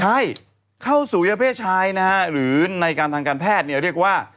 ใช่เข้าสู่วัยเพศชายนะฮะหรือในการทางการแพทย์เนี่ยเรียกว่า